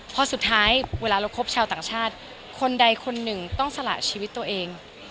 พอสุดท้ายเวลาเราคบชาวต่างชาติคนใดคนหนึ่งต้องสละชีวิตตัวเอง